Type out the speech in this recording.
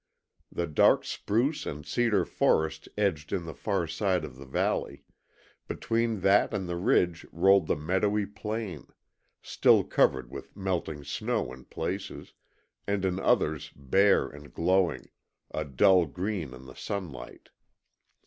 The dark spruce and cedar forest edged in the far side of the valley; between that and the ridge rolled the meadowy plain still covered with melting snow in places, and in others bare and glowing, a dull green in the sunlight.